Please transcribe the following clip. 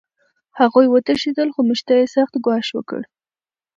هغوی وتښتېدل خو موږ ته یې سخت ګواښ وکړ